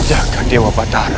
jaga dewa batara